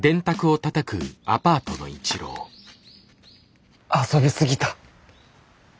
心の声遊びすぎた。